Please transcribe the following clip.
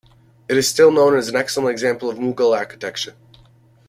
It is still known as an excellent example of Mughal architecture.